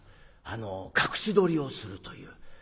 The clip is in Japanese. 隠しどりをするという。